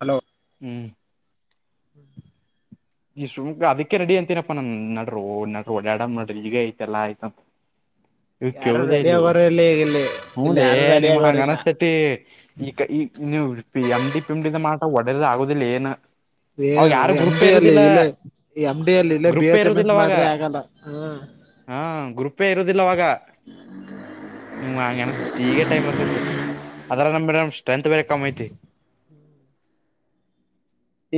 Hello ಹ್ಮ್ ಈ ಸುಮ್ ಅದಕ್ಕೆ ನೆಡಿ ಅಂತೀನಪ್ಪಾ ನನ್ ನಡ್ರರು ನಡ್ರರು ಓಡಾಡೋಮ ನಡ್ರಿ ಈಗ ಐತಿ ಎಲ್ಲಾ ಐತಿ ಇವು ಯಾರು ಕೇಳುದೇ ರೆಡಿ ಇಲ್ಲ ಇವು ಆಗೋರು ಇಲ್ಲಿ ಇಲ್ಲಿ ಹೂ ಇಲ್ಲಿ ಲೇ ಯಾರು ರೆಡಿ ನಿಮಗ ಹಂಗ ಆಗೋರಿಲ್ಲ ಅನಸ್ತೆತಿ ಈಗ ನೀವು ಎಮಡಿ ಪಿಂಬಂಡಿದ ಮಾತ ಒದರಿದರ ಆಗುದಿಲ್ಲ ಏನ ಅವಾಗ ಏನ್ ಯಾರು ಎಮ ಗ್ರೂಪೇ ಡಿ ಯಲ್ಲಿ ಇರುದಿಲ್ಲ ಇಲ್ಲೇ ಎಮಡಿಯಲ್ಲಿ ಇಲ್ಲೇ ಬಿ ಗ್ರೂಪೇ ಎಚ್ ಎಮ್ ಇರುದಿಲ್ಲ ಎಸ್ ಅವಾಗ ಮಾಡಿರ ಆಗಲ್ಲ ಹ್ಮ ಹಾ ಗ್ರೂಪೇ ಇರೋದಿಲ್ಲ ಅವಾಗ ನಿಮಗ ಹಂಗ ಅನಸ್ತತಿ ಈಗ ಟೈಮ್ ಇರ್ತೈತಿ ಅದರಾಗ ನಮ್ಮ ಬೇರೆ ಸ್ಟ್ರೆಂತ್ ಬೇರೆ ಕಮ್ಮ ಐತಿ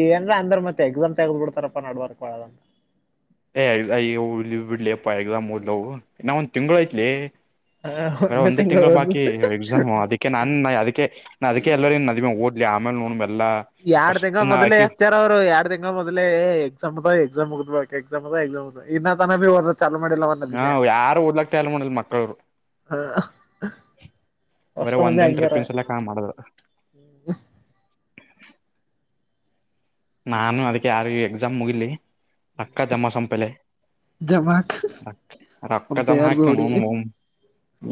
ಏನರ ಅಂದ್ರ ಮತ್ತ ಎಕ್ಸಾಮ್ ತಗದ ಬಿಡ್ತಾರಪ್ಪ ನಡಬರಕ ಹೋದ್ರ ಏಯ್ಯ ಬಿಡ್ಲಿ ಅಪ್ಪಾ ಎಕ್ಸಾಮ್ ಓದಲವು ಇನ ಒಂದ್ ತಿಂಗಳು ಐತ್ಲೆ ಹ ಬರೆ ಒಂದು ಒಂದೇ ತಿಂಗಳು ಬಾಕಿ ಎಕ್ಸಾಮ್ ಅದಕ್ಕೆ ನಾ ಅದಕ್ಕೆ ಎಲ್ಲರ ಓದ ಲೇ ಆಮೇಲೆ ನೋಡುಮು ಎಲ್ಲಾ ಎರಡ್ ಫಸ್ಟ್ ತಿಂಗಳು ನಾ ಮೊದಲೇ ಆಕಿ ಹಚ್ಚ್ಯಾರ ಅವರು ಎರಡ್ ತಿಂಗಳ ಮೊದಲೇ ಎಕ್ಸಾಮ ಅದಾವ ಎಕ್ಸಾಮ್ ಮುಗದ ಬಳಿಕ ಎಕ್ಸಾಮ ಅದಾವ ಎಕ್ಸಾಮ್ ಇನ್ನ ತನ ಬಿ ಓದದ ಚಾಲೋ ಮಾಡಿಲ್ಲ ಅವ ಹಾ ನದಿಮ್ಯಾ ಅವು ಯಾರು ಓದಲಕ ತಯಾರ ಇಲ್ಲ ನೋಡ್ ಅಲ್ಲಿ ಮಕ್ಕಳರು ಹ ಬರೇ ಒಂದ ದಿನ ಟ್ರಿಪ್ಪಿನ್ ಸಲಕ ಹಂಗ ಮಾಡಿದ್ರ ಹ್ಮ್ ನಾನು ಅದಕ್ಕೆ ಆರು ಇವು ಎಕ್ಸಾಮ್ ಮುಗಿಲಿ ರೊಕ್ಕ ಜಮಾಸೋಣ ಪಹಲೆ ಜಮಾಕ್ ರಕ್ಕ ನಮ್ ಜಮಾ ತಯಾರ್ ಬಿ ಹಾಕಿ ಹೊಡಿ ಅವನೌನ್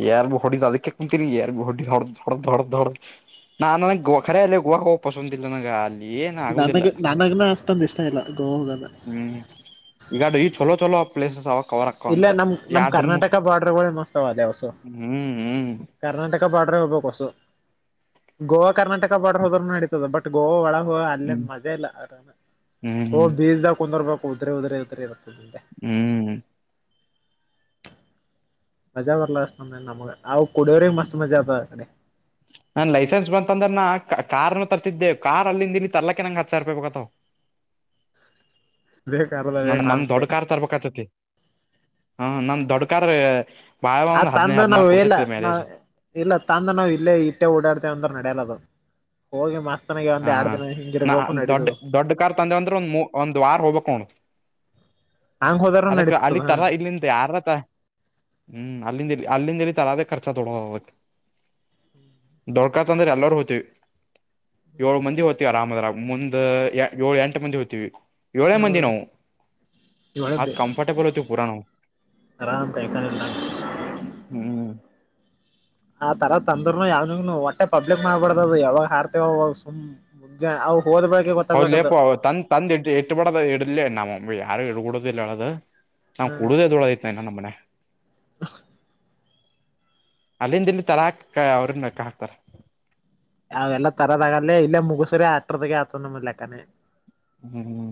ಯಾರ್ು ಹೊಡಿದ್ ಅದಕ್ಕೆ ಕುಂತೀರಿ ಯಾರ್ಗು ಹೊಡ ದೊಡ್ದ ದೊಡ್ದೊಡ್ಡ ದೊಡ್ಡ [unintelligible] ನ ನಾನ ಗುಖರೆ ಆ ಅಲ್ಲ ಗುವಾ ಹ ಪಸಂದ ಇಲ್ಲ ನ ಗಾಲ್ಲಿ ನನಗ್ನ ಅಷ್ಟೊಂದ ಇಷ್ಟ ಇಲ್ಲ ಗೋವಾಗ ಹೋಗೋದು ಹ್ಮ್ ಈಗ ಅದ ಚಲೋ ಚಲೋ ಪ್ಲೇಸಸ್ ಅವ ಕವರ್ ಅಕ್ಕವ ಇಲ್ಲೆ ಅಂತ ನಮ್ಮ ಎರಡು ಹ್ಮ್ ಕರ್ನಾಟಕ ಬಾರ್ಡರಗಳು ಮುಚ್ಚತವೇ ಅಲ್ಲೇ ಓಸು ಹ್ಮ್ ಹ್ಮ್ ಕರ್ನಾಟಕ ಬಾರ್ಡರ್ ಹೋಗ್ಬೇಕು ಓಸು ಗೋವಾ ಕರ್ನಾಟಕ ಬಾರ್ಡರ್ ಹೋದರು ನಡಿತೇತಿ ಬಟ್ ಗೋವಾ ಒಳಗ ಅಲ್ಲೇನ ಮಜಾ ಇಲ್ಲ ಹ್ಮ್ ಹ್ಮ್ ಹೋಗಿ ಬೀಚ್ದಾಗ್ ಕುಂದರ್ಬೇಕು ಹೋದ್ರೆ ಹೋದ್ರೆ ಯಾವ ತರ ಇರುತ್ತದೆ ಈಗ ಹ್ಮ್ ಮಜಾ ಬರಲ್ಲ ಅಷ್ಟಂದ ನಮ್ಗೆ ಅವು ಕುಡಿಯೋರೆಗೆ ಮಸ್ತ್ ಮಜಾ ಆತದ ಆ ಕಡೆ ನನ್ನ ಲೈಸೆನ್ಸ್ ಬಂತ ಅಂದ್ರ ನಾ ಕಾರನ ತರತಿದ್ದೆ ಕಾರ್ ಅಲ್ಲಿಂದೀ ತರ್ಲಕ್ಕೆ ನಂಗ ಹತ್ತ ಸಾವಿರ ರಪಾಯಿ ಬೇಕಾಗತಾವ ಬೇಕ ಆದ್ರೂನು ನಂದ ನಮ್ಮ ದೊಡ್ಡ ಕಾರ್ ತರ್ಬೇಕತತಿ ಹೂ ನಮ್ಮ ದೊಡ್ಡಕಾರ್ ಭಾಳ ಆ ಒಂದು ಹದಿನೈದ ತಂದ ಹದಿನೈದ ನಾವು ನಾಲ್ಕ ಇಲ್ಲ ಕೊಡ್ತೈತಿ ನಾ ಮೈಲೇಜ್ ಇಲ್ಲ ತಂದ ನಾವು ಇಲ್ಲೇ ಇಟ್ಟೆ ಓಡಾಡ್ತೇವೆ ಅಂದ್ರ ನಡೆಯಲ್ಲ ಅದು ಹೋಗಿ ಮಾಸ್ತರಾಗಿ ಹ ಒಂದ್ ಎರಡ್ ದಿನ ನಾ ಹಿಂಗಿರರ್ಬೇಕು ದೊಡ್ಡ ನಡೀತುದು. [unintelligible] ತಂದೆ ಅಂದ್ರು ಮೂ ಒಂದ ವಾರ ಹೋಗಬೇಕ ಅವ. ಹಂಗ್ ಹೋದಾರ ಅದಕ್ಕ ನಡೀತದ ಅಲ್ಲಿ ಹ ತರಾ ಇಲ್ಲಿಂತೆ ಯಾರದ ತ. ಹ್ಮ್ ಅಲ್ಲಿಂದ ಇಲ್ಲಿ ಅಲ್ಲಿಂದ ಇಲ್ಲಿ ತರದ ಖರ್ಚ ತೊಡೋವಕ. ದೋಖಾ ಆತ ಅಂದ್ರ ಎಲ್ಲರೂ ಹೋಯ್ತೇವಿ. ಯೋಳು ಮಂದಿ ಹೋಯ್ತೇವಿ ಆರಾಮ ಅದರಾಗ ಮುಂದ ಎ ಯೋಳ ಎಂಟ ಮಂದಿ ಹೋಯ್ತೇವಿ ಯೋಳೇ ಹ್ಮ ಮಂದಿ ನಾವು. ಮತ್ ಇವಳದ್ದೆ ಕಂಫರ್ಟೆಬಲ್ ಹೋಯ್ತ ಪುರಾ ನಾವ್. ಆರಾಮ್ ಟೆನ್ಷನ್ ಇಲ್ದಂಗ ಹ್ಮ್ ಆ ತರ ತಂದ್ರುನು ಯಾವನಿಗ್ನು ಒಟ್ಟೆ ಪಬ್ಲಿಕ್ ಮಾಡ್ಬಾರ್ದ ಅದು ಯಾವಾಗ ಹಾರ್ತಿ ಅವಾಗ ಸುಮ್ ಜಾ ಆವ್ ಹೋದ್ಬೇಳಕ. ಹೌಲ್ಲೇಪ ಅವ ತಂದ ತಂದ ಇಟ್ಟ ಇಟ್ಟಬಡದ ಇಡಲೇ ನಮ ಯಾರು ಇಡಗುಡುದಿಲ್ ಎಳೆದ. ನಾವು ಹ್ಮ್ ಕುಡುದೇ ದೊಳ ಐತ್ ಇನ ನಮ್ಮ ಮನ್ಯಾಗ. ಅಲ್ಲಿಂದ ಇಲ್ಲಿ ತರಾಕ್ ಅವ್ರನ್ನ ಲೆಕ್ಕಾ ಹಾಕ್ತಾರ. ಅವೆಲ್ಲ ತರೋದಾಗಲ್ಲೇ ಇಲ್ಲೇ ಮುಗುಸ್ರರಿ ಆಟ್ರದ ಆತ ನಮ್ ಲೆಕ್ಕನೆ. ಹ್ಮ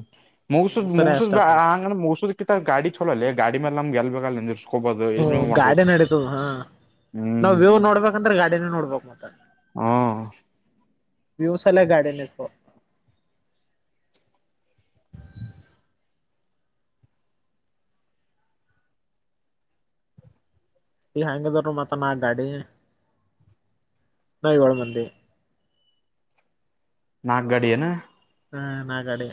ಮುಗಸೂದ ಮುಗಸರೆ ಅಷ್ಟ ಮುಗಸೂದ ಆತದ ಆ ಹಂಗ ಅಂದ್ರ ಮುಗಸೂದ ರ್ಕ್ಕಿಂತ ಗಾಡಿ ಚುಲೋ ಲೇ ಗಾಡಿ ಮ್ಯಾಲ ನಮಗ್ ಎಲ್ಲೆ ಬೇಕಲ್ಲಿ ನಿಂದರ್ಸ್ ಹ ಗಾಡೆ ನಡೀತದ ಹಾ ನಾವ್ ಹ್ಮ್ ವ್ಯೂವ್ ನೋಡ್ಬೇಕಂದ್ರೆ ಗಾಡೆನ ನೋಡ್ಬೇಕ್ ಮತ್ತ. ಹ ವ್ಯೂವ್ಸ್ ಎಲ್ಲಾ ಗಾಡೆಲೆ ಇರ್ತಾವ. ಈ ಹೆಂಗಾದರೋ ಮತ್ತ ಅಣ್ಣಾ ಗಾಡಿ ನಾ ಯೋಳ ಮಂದಿ. ನಾಕ ಗಾಡಿ ಏನ. ಹ ನಾಕ ಗಾಡಿ.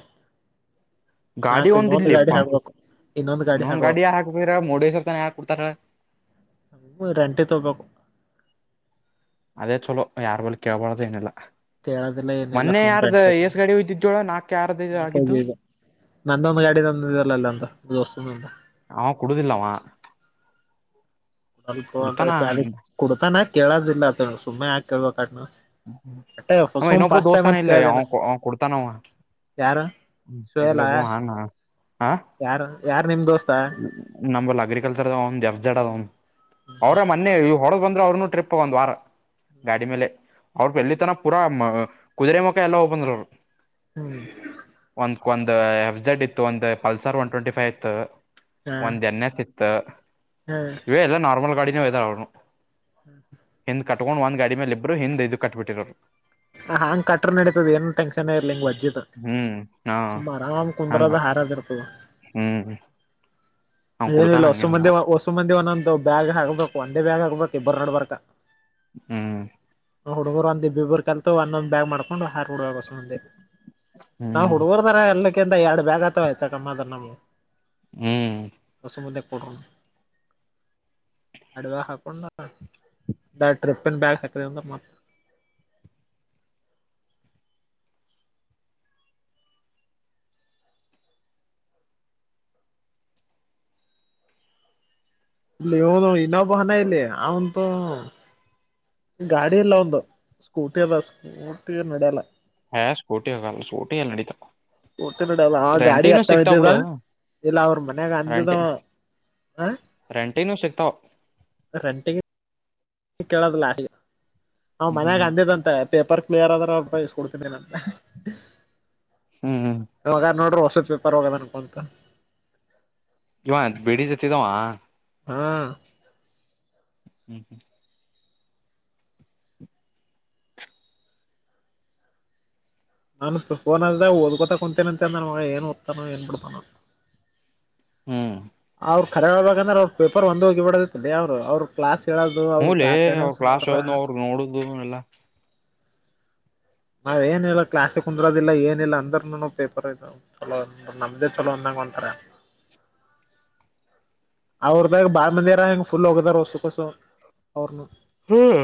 ಗಾಡಿ ನಾಕ ಒಂದ್ ಇನ್ನೊಂದ ಗಾಡಿ ಇಲ್ಲಿಪ್ಪಾ ಆಗ್ಬೋಕು ಇನ್ನೊಂದ ಗಾಡಿ ಇನ್ನೊಂದ್ ಹಾಕ್ಬೋಕ. ಯಾರ್ ಹಾಕ್ಬೇರ ಮುರ್ಡೇಶ್ವರ್ ತನ ಯಾರ್ ಕೊಡ್ತಾರ ಒಂದ ರಂಟಿ ತಗ್ಬೋಕು. ಅದೇ ಚುಲೋ ಯಾರ್ ಬಳಿ ಕೇಳ್ಬಾರ್ದ ಏನಿಲ್ಲ. ಕೇಳೋದಿಲ್ಲ ಏನಿಲ್ಲಾ ಸುಂಟ. [unintelligible] ನಾಕ ಯಾರದ್ ಐಯ ನಾಕ್ ಹೋಗೆದು ನಂದೊಂದು ಗಾಡಿದೊಂದ ಇದೆ ಅಲ್ಲೊಂದ ಒಂದ ದೋಸ್ತಂದು. ಅವಾ ಕೊಡೋದಿಲ್ಲ ಅವಾ. ಅದುಕ ಹೋತ ಕ್ಯಾದಿ ಕುಡ್ತಾನ ಕುಡ್ತಾನ ಕೇಳೋದಿಲ್ಲ ಆತ ಸುಮ್ ಯಾಕ್ ಕೇಳ್ಬಬೇಕ ಅದ್ನ. ಅವಾ ಇನ್ನೊಬ್ಬಾವ ದೋಸಾನವ ಇಲ್ಲಿ ಅವ ಕೇಳ್ದೇನ ಅವಾ ಕೊಡ್ತಾನ ಅವಾ. ಯಾರ ಶೋಯಲ ಎಲ್ಲೊಬ್ಬಾವ್ ಹಾನ ಹಾ. ಯಾರ ಯಾರ್ ನಿಮ್ ದೋಸ್ತ ನಂಬಲ್ ಅಗ್ರಿಕಲ್ಚರ್ ಅ ಒಂದ್ ಎಫ್ ಜಡ್ ಅದ ಅವ್ರ ಮನ್ನೆ ಇ ಹೊಡದ್ ಬಂದ್ರೆ ಅವ್ರನು ಟ್ರಿಪ್. ಒಂದ ವಾರ ಗಾಡಿ ಮೇಲೆ. ಅವರ ಬೆಲ್ಲಿತನಾ ಪೂರ ಮ ಕುದುರೆ ಮುಖ ಎಲ್ಲಾ ಹೋಗಬಂದ್ರ ಅವರ. ಹ್ಮ ಒಂದ ಕೊಂದ ಎಫ್ ಜೆಡ್ ಇತ್ತು ಒಂದ ಪಲ್ಸರ್ ಒನ್ ಟ್ವೆಂಟಿ ಫೈವ್ ಇತ್ತ. ಹಾ ಒಂದ್ ಎನ್ ಎಸ್ ಇತ್ತ ಇವೆ ಎಲ್ಲ ನಾರ್ಮಲ್ ಗಾಡಿನೆ ಇದವ ಅವನ್ವ. ಹ್ಮ್ ಹಿಂದ್ ಕಟ್ಕೊಂಡ್ ಒಂದ್ ಗಾಡಿ ಮ್ಯಾಲಿಬ್ರ ಹಿಂದ್ ಇದ್ ಕಟ್ಬಿಟ್ಟಿರೋರ. ಹಾ ಹಂಗ ಕಟ್ರ ನಡಿತದ ಏನು ಟೆನ್ಶನ್ ಇರ್ಲಿಿಂಗ ವಜ್ಜೇದ. ಹ್ಮ್ ಹಾ ಸುಮ್ಮ ಆರಾಮ ಹಂಗ ಕುಂದ್ರದ ಹಾಡೋದ ಇರತದ. ಹ್ಮ್ ಅವ ಕುಡ್ತಾನ ಏನಿಲ್ಲ ವಸು ಹಂಗೇನಿಲ್ಲ ಮಂದಿ ವಸು ಮಂದಿ ಒಂದೊಂದು ಬ್ಯಾಗ್ ಹಕ್ಬಬೇಕ ಒಂದೇ ಬ್ಯಾಗ್ ಹಕ್ಬಬೇಕ ಇಬ್ಬರ್ ನಡ್ಬಾರಕ. ಹ್ಮ್ ಹುಡುಗರು ಒಂದಿಬ್ಬಬ್ರು ಕಲ್ತು ಒಂದ ಒಂದ ಬ್ಯಾಗ್ ಮಾಡ್ಬೇಕ. [unintelligible] ವೋಸಮಂದಿ ನಮ್ಮ ಹ್ಮ್ ಹುಡುಗರ್ದರ ಎಲ್ಲಾ. [unintelligible] ಎರಡ್ ಬ್ಯಾಗ್ ಆತವ ಆಯ್ತ ಕಮ್ಮ ಅ ನಮ್ಗೆ ಹ್ಮ್ ಹೊಸ ಮುದ್ದೆೆಗೆ ಕೊಡರು. ಅಡವ ಹಾಕೊಂಡು ಬ್ಯಾಗ್ ಟ್ರಿಪಿನ ಬ್ಯಾಗ್ ಅಕ್ದೆ ಅಂದ್ರೆ ಮ. ಇಲ್ಲಿ ಹನು ಇನ್ನೊಬ್ಬಾನ ಇಲ್ಲಿ ಅವಂತು. ಗಾಡಿ ಇಲ್ಲ ಅವಂದು ಸ್ಕೂಟಿ ಅದ ಸ್ಕೂಟಿ ನಡಿಯಲ್ಲ. ಹ ಸ್ಕಾಟ್ ಆಗಲ್ಲ ಸ್ಕೂಟಿ ಎಲ್ಲಿ ನಡೀತಾ. [unintelligible] ಆ ಗಾಡಿ ಹತ್ತ ಇದ್ದಿದ ಇಲ್ಲ ಅವ್ರ ಮನ್ಯಾಗ ಅಂದಿದ. ಹ ರೆಂಟಿನಾವ್ ಸಿಕ್ತಾವ. ರೆಂಟಿಗೆ. ಈ ಕೇಳೋದ್ [unintelligible] ಮನ್ಯಾಗ ಹ್ಮ್ ಅಂದರಂತೆ ಪೇಪರ್ ಕ್ಲಿಯರ್ ಆದ್ರ [unintelligible] ನಾನ. ಹ್ಮ್ ಇವಾಗ ನೋಡ್ರಿ ಹೊಸದ ಪೇಪರ್ ಹೋಗದ ಅನ್ಕೊಂತ. ಇವ ಬಿಡಿ ಜೊತ್ತಿದಾವ. ಹಾ ಹ್ಮ್ ಹ್ಮ್ ನಾನು ಫೋನಲ್ಲೇ ಓದ್ಕಂತಾ ಕುಂತೇನೀ ಅಂತ ಅಂದ ನನ್ ಮಗ ಏನ್ ಓದತಾನೋ ಏನ್ ಬಿಡ್ತಾನೋ. ಹ್ಮ್ ಅವ್ರು ಕರೆರ ಹೇಳಬೇಕಂದ್ರೆ ಅವ್ರ ಪೇಪರ ಒಂದು ಹೋಗಿ ಬಿಡದತ್ತಲ್ಲಿ ಅವರು ಅವರು. ಕ್ಲಾಸ್ ಹೇಳೋದು ಅವ್ರ ಅಟೆಂಡನ್ಸ್ ನೋಡ್ರ. ಹ್ಮು ಅಣ್ಣ. [unintelligible] ನಾವ್ ಏನಿಲ್ಲ ಕ್ಲಾಸ್ಕ್ ಕುಂದರೋದಿಲ್ಲ ಏನಿಲ್ಲ ಅಂದ್ರನು ಪೇಪರ್ [unintelligible] ಚಲೋ ನಮ್ದ ಚಲೋ ಅಂದಂಗ ಹೊಂತಾರ. ಅವ್ರದಾಗ ಬಾಳ ಮಂದಿರ ಹೆಂಗ ಫುಲ್ [unintelligible] ಒೋಗದಾರ ಹೊಸು ಕಸು ಅವ್ರನು. ಹ್ಮ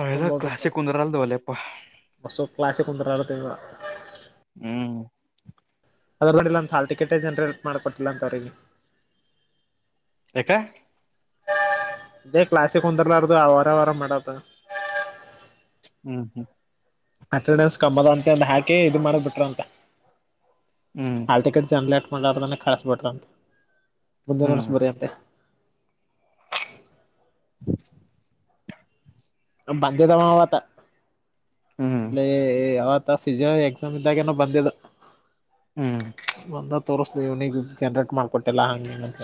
ಅಲ್ಲ ಕ್ಲಸಿಕ ಕುಂದ್ರಲ್ಲ ಅದ ಒಲ್ಲಪ್ಪ. ಬಸು ಕ್ಲಾಸಿಕ್ ಕುಂದರಾತ. ಹ್ಮ್ [unintelligible] ಹಾಲ್ ಟಿಕೆಟೇ ಜನರೇಟ್ ಮಾಡಕೆ ಕೊಟ್ಟಿಲ್ಲ ಅಂತವರೇ ಈಗ. ಯಾಕೆ. ಇದೇ ಕ್ಲಾಸಕ್ ಕುಂದರ್ಲಾರದು ಅವಾರ ಅವಾರ. [unintelligible] ಹ್ಮ್ ಹ್ಮ್ ಅಟೆಂಡನ್ಸ್ ಕಮ್ಮ ಅದಾವ ಅಂತ ಹಾಕಿ ಇದು ಮಾಡ ಬಿಟ್ರ ಅಂತ ಹ್ಮ್ ಹಲ್ಟಿಕಟ್. [unintelligible] ಮಾತಾಡಾಡ್ದಾನೆ ಕಳ್ಸ್ಬಿಟ್ರ ಅಂತೆ ಮುಂದಿನ ವರ್ಷ ಹ್ಮ್ ಬರಿಯಕತ್ತಿ ಅಂತೆ. ನಮ್ಮ ಬಂದಿದ್ದ ಅವ ಅವತ್ತು ಹ್ಮ್ ಲೆ. [unintelligible] ಎಕ್ಸಾಮ್ ಇದ್ದಾಗ ಏನೋ ಬಂದಿದೆ ಹ್ಮ್ ಬಂದ. ತೋರಿಸ್ತೀವಿ ಇವನಿಗೆ ಜನ್ರೇಟ್ ಮಾಡ್ಕೊಟ್ಟಿಲ್ಲ ಹಂಗಿ ಹಿಂಗಂತ.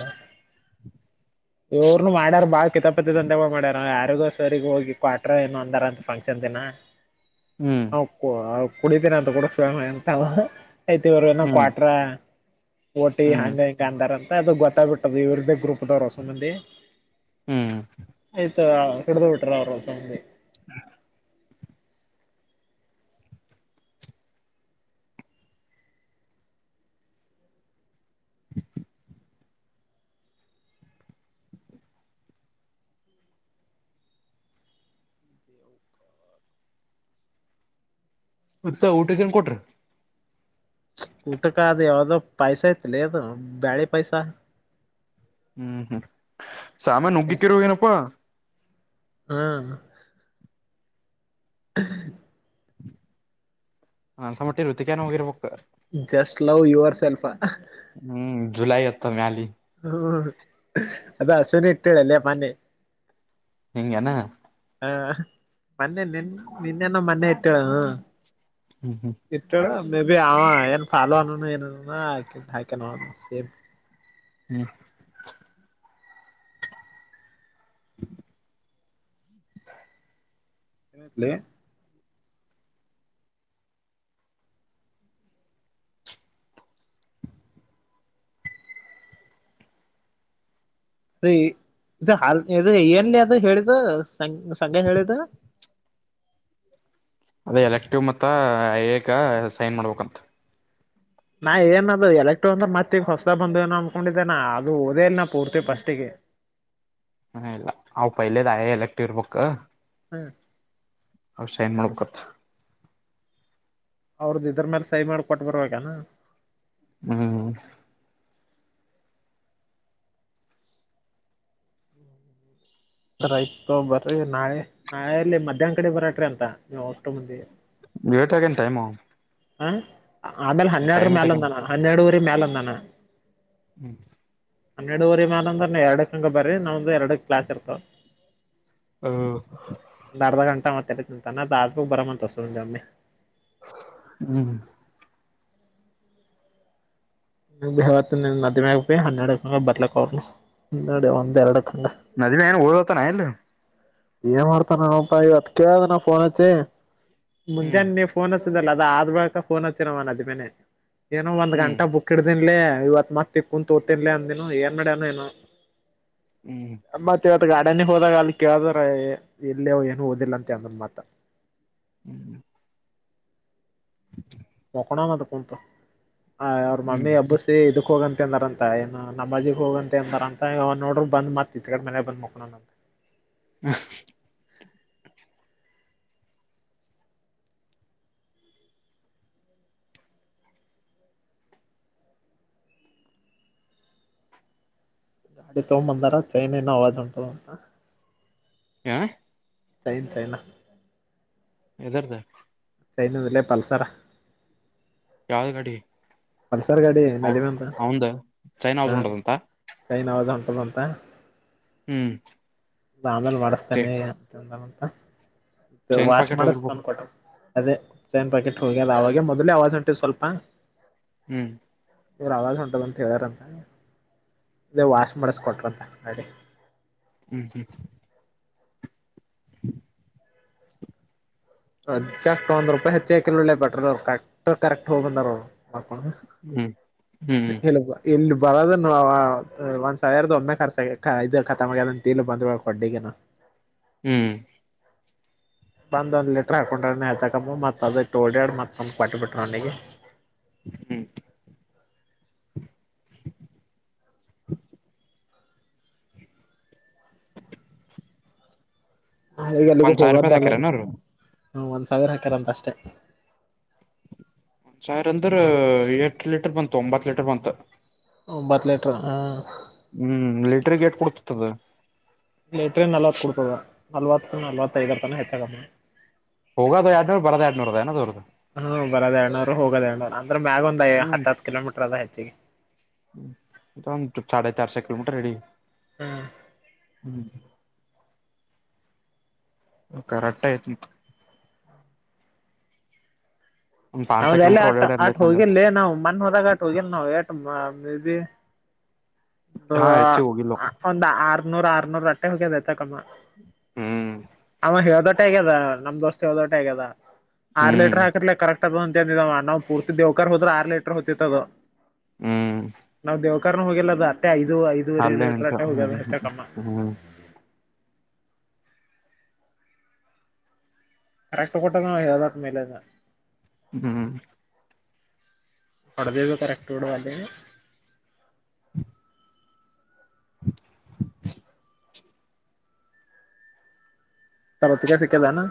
ಇವ್ನು ಮಾಡ್ಯಾರ ಬಾಳ ಕಿತಪತಿ ದಂದೆ ಮಾಡ್ಯಾರ ಯಾರಿಗೋ ಸರಿಗ್ ಹೋಗಿ. ಕ್ವಾಟ್ರೋ ಏನು ಅಂದರಂತೆ ಫಂಕ್ಷನ್ ದಿನ. [unintelligible] ಕುಡಿತೀನ ಅಂತ ಕೂಡಸ್ಮ ಅಂತ ಆಯ್ತ ಇವರು ಏನೋ ಹ್ಮ್ ಹ್ಮ್ ಕ್ವಾಟ್ರ. ಓಟಿ ಹಂಗ ಹಿಂಗ ಅಂದಾರ ಅಂತ ಅದು ಗೊತ್ತಾಗ್ಬಿಟ್ಟದು ಇವ್ರ್ದೇ ಗ್ರೂಪ್ದ ಅದಾರ ಅಷ್ಟು ಮಂದಿ. ಹ್ಮ್ ಆಯ್ತಾ ಕಡ್ದ ಬಿಟ್ರ ಅವರು ಹೊಸ ಮಂದಿ. ಹ್ಮ [inaudible] ಮತ್ತೆ ಊಟಕ್ ಏನ್ ಕೊಟ್ರಿ. ಊಟಕ ಅದು ಯಾವ್ದೋ ಪೈಸ ಇತ್ತಲೇ ಅದು ಬ್ಯಾಳೆ ಪೈಸಾ. ಹ್ಮ್ ಹ್ಮ್ ಸಾಮಾನು ಉಗ್ಗಿಕಿರು ಏನಪ್ಪಾ. ಹ್ಮ [inaudible] ನನಗ್ ಅನ್ಸಿದ ಮಟ್ಟಿಗೆ ರುತಿಕನ ಹೋಗಿರ್ಬೇಕು. [unintelligible] Just love your self. Hmm July ಹತ್ತರ ಮ್ಯಾಲೆ ಹ್ಮ್ ಅದ್ ಆಶೀವ್ನಿ ಅಕ್ಕ ಹೇಳ್ಯಾಳ್ ಮಾರ್ನಿಂಗ್ ಮೊನ್ನೆ ಹಿಂಗೆನಾ. ಹಾ ಮೊನ್ನೆ ನಿನ್ ನಿನ್ನೆನೋ ಮೊನ್ನೆ ಇಟ್ಟಳ ಹ್ಮು ಹ್ಮ್ ಹ್ಮ್ ಇಟ್ಟಳ್ಳು ಮೇಬಿ ಅವ ಏನ್ ಫಾಲೋ ಅದನು ಏನ ಅದನ [unintelligible] ನೋ ಸೇಮ್ ಹ್ಮ್ [inaudible] ಲೆ [unintelligible] ಎಲ್ಲಿ ಅದು ಹೇಳಿದು ಸಂಡೆ ಹೇಳಿದ್ದು. ಅದೇ ಎಲೆಕ್ಟಿವ್ ಮತ್ತ ಐಎ ಕ ಸೈನ್ ಮಾಡ್ಬೇಕಂತ. ನಾ ಏನ ಅದು ಎಲೆಕ್ಟ ಮತ್ತ್ ಈಗ ಹೊಸದಾಗಿ ಬಂದು ಏನೋ ಅಂದ್ಕೊಂಡಿದ್ದೆ ನ ಅದು ಓದೇ ಇಲ್ಲ ನ ಪೂರ್ತಿ ಫಸ್ಟಿಗೆ. ಹ ಇಲ್ಲ ಅವ್ ಪಹಿಲೆ ಐ ಎ [unintelligible] ಇರ್ಬೇಕ್. ಹ್ಮ್ ಅವು ಸೈನ್ ಮಾಡ್ಬೇಕತ್ತ. ಅವ್ರದ್ದು ಇದ್ರ ಮೇಲೆ ಸಹ ಮಾಡಿ ಕೊಟ್ಟು ಬರಬೇಕೇನೋ. ಹ್ಮ್ [unintelligible] ನಾಳೆ ನಾಳೆಲ್ಲಿ ಮಧ್ಯಾಹ್ನ ಕಡೆ ಬರಕ್ರಿ ಅಂತ ನೀವು ಅಷ್ಟು ಮಂದಿ. [unintelligible] ಟೈಮ್. ಹ ಆಮೇಲೆ ಹನ್ನೆರಡರ ಟೈಮ್ ಇಟ್ಟಾಗೇನ್ ಮ್ಯಾಲಂದಾನ ಹನ್ನೆರಡುವರಿ ಮ್ಯಾಲಂದಾನ. ಹ್ಮ್ ಹನ್ನೆಡುವರಿ ಮೇಾಲ ಅಂದ್ರ ಎರಡಕ್ಕ ಹಂಗ ಬರ್ರಿ ನಮ್ದು ಎರಡ ಕ್ಲಾಸ್ ಇರ್ತವ. ಹ ಒಂದು ಅರ್ಧ ಗಂಟ ಮತ್ತೆ [unintelligible] ಹ್ಮ್ [unintelligible] ಮದುವೆಯಾಗಿ ಬಿ ಹನ್ನೆರಡುಕಂಗ ಬರ್ಲಕ್ ಅವ್ರು ಇಂಡದೆ ಒಂದ್ ಎರಡಕ್ ಹಂಗ್. ಮಾದುವ್ಯಾಗ್ [unintelligible] ಎಲ್ಲಿ ಏನ್ ಮಾಡ್ತಾನಪ್ಪಾ ಇವತ್ತ್ ಕೇಳ್ದೆ ನ ಫೋನ್ ಹಚ್ಚಿ ಹ್ಮ್ ಮುಂಜಾನೆ ನೀ ಫೋನ್ ಹಚ್ಚ [unintelligible] ಅದ ಆದ್ ಬಳಕ ಫೋನ್ ಹಚ್ಯಾನ್ ಅವ [unintelligible] ಏನೋ ಒಂದ್ ಹ್ಮ್ ಗಂಟ ಬುಕ್ [unintelligible] ಇವತ್ ಮತ್ತ್ ಕುಂತ ಓತಿನ್ಲೆ ಅಂದನು ಏನ್ ಮಾಡ್ಯಾನ ಏನೋ. ಹ್ಮ್ ಮತ್ತ ಇವತ್ತು ಗಾರ್ಡನಿಗೆ ಹೋದಾಗ ಅಲ್ಲಿ ಕೇಳಿದ್ರ [unintelligible] ಏನು ಓದಿಲ್ಲ ಅಂತ ಅಂತ್ ಹೇಳ್ತಾನ್ ಮತ್ತ ಹ್ಞ ಮಕಣೋಣ ಅಂತ ಕುಂತು ಹ ಅವ್ರ ಮಮ್ಮಿ ಹ್ಮ್ ಹಬ್ಬಸ್ ಇದಕ್ ಹೋಗಂತೆ ಅಂದಾರಂತ ಏನು ನಮಜಿಗೆ ಹೋಗಂತೆ ಅಂದಾರ ಅಂತ ಇವ ನೋಡ್ರರು ಬಂದ್ ಮತ್ ಇಚ್ಚಿ ಕಡೆ ಮನ್ಯಾಗ್ ಬಂದ್ ಮಕ್ಕೊಂಡಾನ್ ಅಂತ. ಹ್ಮ ಅಡಿ ತಗೊಬಂದಾರ ಚೈನನ್ ಅವವಾಜ್ ಅಥದ್ ಅಂತ. ಹಾ ಚೈನ್ ಚೈನಾ ಎದರ್ದ [unintelligible] ಪಲ್ಸರ ಯಾವ್ದ್ ಗಾಡಿ ಪಲ್ಸರ್ ಗಾಡಿ ಅವನ್ [unintelligible] ಅವಂದ ಚೈನ್ ಹ ಹೌಸ್ ಉಂಟದಂತ ಚೈನ್ ಅವಾಜ್ ಆತದಂತ ಹ್ಮ್ ಆಮೇಲೆ ಮಾಡಸ್ತೇನೆ ಅಂತಂದಂತ ಚೈನ್ ವಾಶ್ ಪಾಕೆಟ್ ಹೋಗಿರ್ಬೇಕು [unintelligible] ಅದೇ ಚೈನ್ ಪ್ಯಾಕೆಟ್ ಹೋಗಿ ಅದ ಅವಾಗ ಮೊದಲೇ ಆವಾಜ ಹೊಂಟಿತ್ತು ಸ್ವಲ್ಪ ಹಾ ಜರ ಅವಾಜ್ ಹೊಂಟದ ಅಂತ ಹೇಳಿದಾರಂತ ಅದೇ ವಾಶ್ ಮಾಡಸಕೊಟ್ರ ಅಂತ ಮಾಡಡಿ ಹ್ಮ್ ಹ್ಮ್ ಎಕ್ಸಾಟ್ ಒಂದ್ ರೂಪಾಯಿ ಹೆಚ್ಚಿಗೆ ಹಾಕಿಲ್ಲ ನೋಡು ಪೆಟ್ರೋಲ್ ಅವರು ಕಕ್ಟ್ ಕರೆಕ್ಟ್ ಹೋಗ ಬಂದ್ರು ಹ್ಮ್ ಹ್ಮ್ ಹ್ಮ್ [unintelligible] ಇಲ್ಲಿ ಬರೋದನು ಒಂದ್ ಸಾವಿರದ ಒಮ್ಮೆ ಖರ್ಚ ಕಥಮ್ ಅದಂತ ತಿ ಬಂದ ಕೊಡ್ಗನು ಹ್ಞ ಬಂದ ಒಂದ್ ಲಿಟರ್ ಹಾಕೊಂಡ್ರೆ ಹೆಚ್ಚುಕಮ್ಮ ಮತ್ ಅದ ಓಡ್ಯಾ ಮತ್ಕ ಕಟ್ಟಟ್ಬಿಟ್ಟರು ಅವನಿಗೆ ಹ್ಮ ಹ ಈಗ ಅಲ್ಲಿಗೂ ಒಂದ್ ಸಾವಿರ ಹೋಗೋದ ರೂಪಾಯಿ ಅಲ್ಲ ಹಾಕಿರನವ್ರು ಒಂದ್ ಸಾವಿರ ಹಾಕಾರಂತ ಅಷ್ಟೇ ಸಾವಿರು ಅಂದ್ರ ಎಟ್ ಲೀಟರ್ ಬಂತು ಒಂಬತ್ ಲೀಟರ್ ಬಂತ ಒಂಬತ್ತು ಮೀಟರ್ ಹ ಹ್ಮ್ ಲಿಟ್ರಿ ಗೇಟ್ ಕೊಡ್ತತದ ಲಲೆಟ್ರ ನಲ್ವತ್ ಕೊಡ್ತದ ನಲ್ವತ್ತು ನಲ್ವತ್ತೈದರ ತನ ಹೆಚ್ಚಾಗಮ್ಮಿ ಹೋಗೋದು ಎಡ್ನೂರ ಬರದ ಎರಡ್ನೂದ ನ ಅದು ಹ್ಮ್ ಬರೋದ ಎರಡು ನೂರು ಹೋಗೋದ ಎರಡು ನೂರು ಅಂದ್ರ ಮ್ಯಾಗ ಒಂದ್ ಹ್ಮ್ ಹತ್ತತ್ ಕಿಲೋಮೀಟರ್ ಅದ ಹೆಚ್ಚಿಗೆ ಸಾಡೆ ಚಾರ ಸೆ ಕಿಲೋಮೀಟರ್ ಹಿಡಿ ಹಾ ಹ್ಞೂ ಕರೆಕ್ಟಯ್ನ ಒಂದ್ ಪಾನ್ಸೆ ಹೌದೆಲ್ಲ ಕಿಲೋಮೀಟರ್ ಆಟ ಆಟ ಓಡಾಡಿರ್ಲಿ ಸಂಜೆ ಹೋಗಿಲ್ಲೇ ನಾವು ಮಣ ಹೋದಾಗ ಆಟ ಹೋಗಿಲ್ ನಾವು ಮೇಬಿ ಒ ಹಾ ಹೆಚ್ಚಿಗ್ ಹೋಗಿಲ್ಲ ಒಂದ್ ಆರ್ನೂರ್ ಆರ್ನೂರ ಅಟ್ಟೆ ಹೋಗ್ಯದ ಹೇಚ್ಚಕ್ಕಮ್ಮ ಹ್ಮ್ ಹೇಳದೋಟೆ ಆಗದ ನಮ್ ದೋಸ್ತ ಹೇಳದಷ್ಟೇ ಆಗ್ಯದ ಆರ್ ಹ್ಮ್ ಲೀಟರ್ ಹಾಕಿರ್ಲ ಕರೆಕ್ಟ್ ಅಂತಂದಿದವ ನಾವು ಪೂರ್ತಿ ದೇವಕರ್ ಹೋದ್ರ ಆರ್ ಲೀಟರ್ ಹೋತಿತ್ತ ಅದು ಹ್ಮ್ ನಾವು ದವ ದೇವ್ಕರ್ ಹೋಗಿಲ್ಲ ಅದು ಅಟ್ಟೆ ಐದು ಐದುವರೆ ಅಲ್ಲೇ ಲೀಟರ್ ನಿಂತ ಅಟ್ಟೆ ಹೋಗ್ಯದ ಹ್ಮ್ ಹೆಚ್ಚೆ ಕಮ್ಮ ಹ್ಮ್ ಕರೆಕ್ಟ್ ಕೊಟ್ಟದ ಅವ ಹೇಳ್ದಟ್ಟ ಮೈಲೇಜ್ ಹ್ಮ್ ಹೊಡೆದಿದ್ದು ಕರೆಕ್ಟ್ ಹೊಡೆದಿವೆ ಹ್ಮ [unintelligible] ತರೊತ್ತಗೆ ಸಿಕ್ಕಲ್ಲನಾ